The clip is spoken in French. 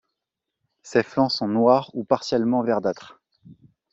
Ses flancs sont noirs ou partiellement verdâtres.